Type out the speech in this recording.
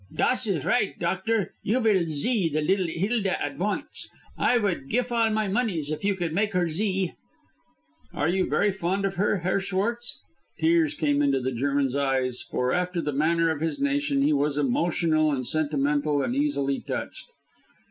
"Das is right, doctor. You vill zee the liddle Hilda at vonce. I would gif all my moneys if you could make her zee." "You are very fond of her, Herr Schwartz?" Tears came into the German's eyes, for after the manner of his nation he was emotional and sentimental and easily touched.